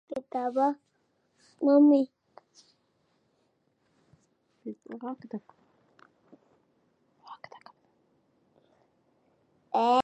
މޮނިޓަރިންގ، އިވެލުއޭޝަން އެންޑް ރިޕޯޓިންގ އޮފިސަރ